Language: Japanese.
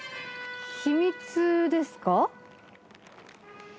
秘密ですか？